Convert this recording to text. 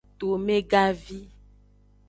Tomegavi.